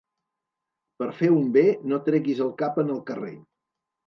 Per fer un bé no treguis el cap en el carrer.